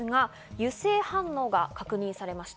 油性反応が確認されました。